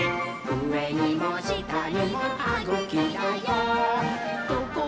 うえにもしたにもはぐきだよ！」